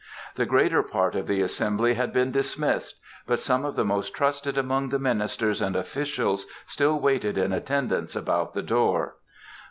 The greater part of the assembly had been dismissed, but some of the most trusted among the ministers and officials still waited in attendance about the door.